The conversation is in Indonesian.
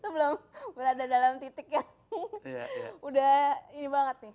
belum berada dalam titik yang udah ini banget nih